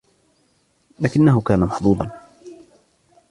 ولكنهُ كان محظوظاً.